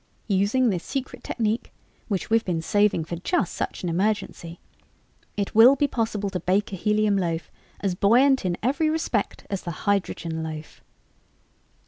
Using this secret technique, which we've been saving for just such an emergency, it will be possible to bake a helium loaf as buoyant in every respect as the hydrogen loaf."